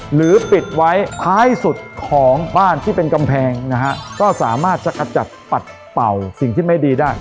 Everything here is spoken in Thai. หรือปิดไว้ท้ายสุดของบ้านที่เป็นกำแพงนะฮะก็สามารถจะกระจัดปัดเป่าสิ่งที่ไม่ดีได้